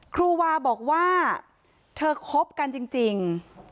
ครูวาบอกว่าเธอคบกันจริง